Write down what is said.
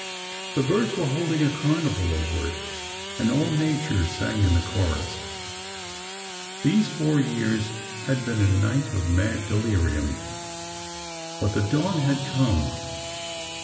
The birds were holding a carnival over it, and all nature sang in the chorus. These four years had been a night of mad delirium,— but the dawn had come.